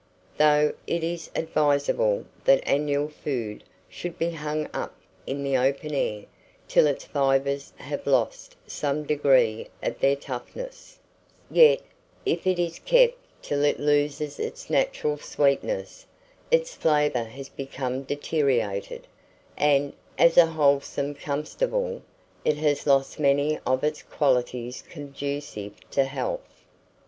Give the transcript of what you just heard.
Though it is advisable that annual food should be hung up in the open air till its fibres have lost some degree of their toughness, yet, if it is kept till it loses its natural sweetness, its flavour has become deteriorated, and, as a wholesome comestible, it has lost many of its qualities conducive to health.